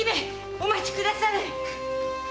お待ちくだされ！